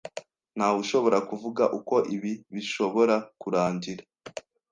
Ntawushobora kuvuga uko ibi bishobora kurangira.